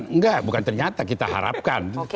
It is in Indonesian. enggak bukan ternyata kita harapkan